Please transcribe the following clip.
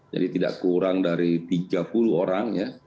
jadi tidak kurang dari tiga puluh orang ya